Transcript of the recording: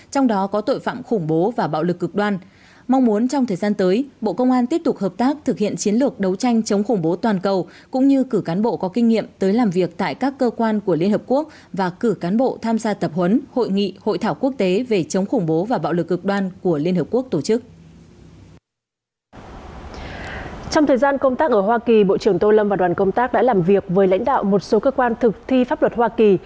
trong thời gian công tác ở hoa kỳ bộ trưởng tô lâm và đoàn công tác đã làm việc với lãnh đạo một số cơ quan thực thi pháp luật hoa kỳ